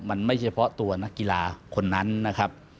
มันไม่เฉพาะตัวนักกีฬาคนนั้นนะครับ